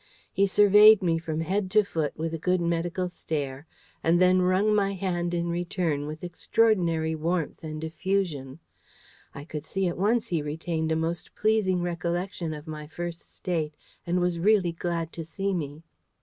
He surveyed me from head to foot with a good medical stare, and then wrung my hand in return with extraordinary warmth and effusion. I could see at once he retained a most pleasing recollection of my First State, and was really glad to see me.